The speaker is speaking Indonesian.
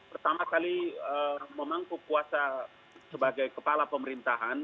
pertama kali memangku kuasa sebagai kepala pemerintahan